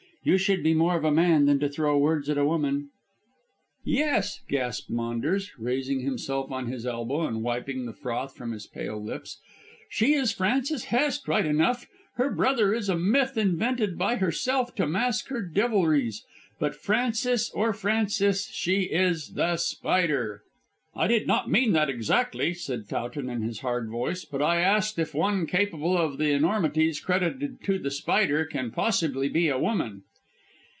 You should be more of a man than to throw words at a woman." "Are you a woman?" "Yes," gasped Maunders, raising himself on his elbow and wiping the froth from his pale lips; "she is Frances Hest right enough. Her brother is a myth invented by herself to mask her devilries. But Frances or Francis she is The Spider!" "I did not mean that exactly," said Towton in his hard voice; "but I asked if one capable of the enormities credited to The Spider can possibly be a woman."